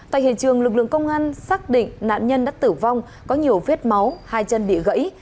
tại hiện trường lực lượng công an xác định nạn nhân đã tử vong có nhiều vết máu hai chân bị gãy